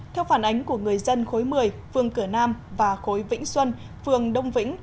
theo phản ánh của người dân khối một mươi phương cửa nam và khối vĩnh xuân phương đông vĩnh